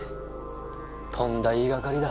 とんだ言いがかりだ。